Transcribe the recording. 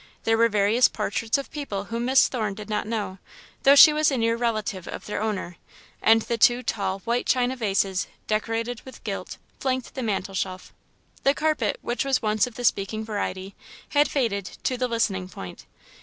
There were various portraits of people whom Miss Thorne did not know, though she was a near relative of their owner, and two tall, white china vases, decorated with gilt, flanked the mantel shelf. The carpet, which was once of the speaking variety, had faded to the listening point.